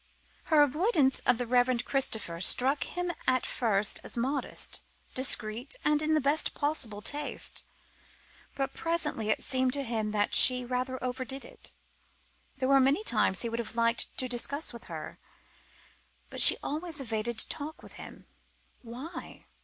Her avoidance of the Reverend Christopher struck him at first as modest, discreet, and in the best possible taste. But presently it seemed to him that she rather overdid it. There were many things he would have liked to discuss with her, but she always evaded talk with him. Why?